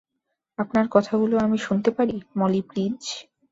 আপনার কথাগুলো আমি শুনতে পারি, মলি প্লিজ?